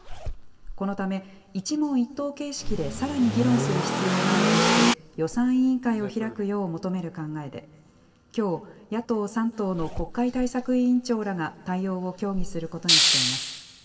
このため、一問一答形式でさらに議論する必要があるとして、予算委員会を開くよう求める考えで、きょう、野党３党の国会対策委員長らが対応を協議することにしています。